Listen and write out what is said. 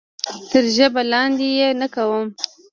تر ژبه لاندې یې نه کوم.